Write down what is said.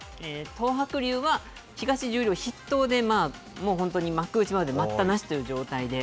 東白龍は東十両筆頭で、本当に幕内まで待ったなしという状態で。